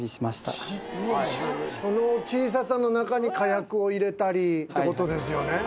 ・その小ささの中に火薬を入れたりってことですよね。